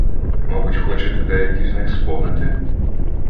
Мабуть, хочете деякі з них сповнити?